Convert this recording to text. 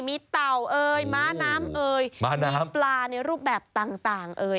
มีเต่าเอ่ยม้าน้ำเอ่ยม้าน้ำปลาในรูปแบบต่างเอ่ย